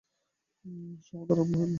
সমাদর আরম্ভ হইল।